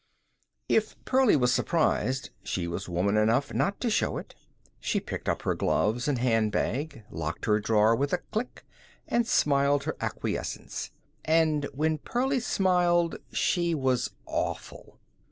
If Pearlie was surprised, she was woman enough not to show it. She picked up her gloves and hand bag, locked her drawer with a click, and smiled her acquiescence. And when Pearlie smiled she was awful.